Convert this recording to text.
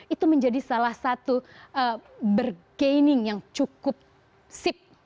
itu menjadi salah satu bergening yang cukup sip